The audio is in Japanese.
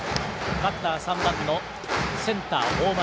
バッターは３番のセンター、大町。